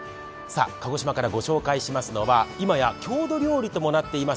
鹿児島からご紹介しますのは今や郷土料理ともなっています